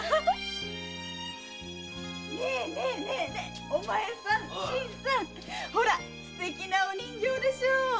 ねえお前さん新さんほらすてきなお人形でしょう。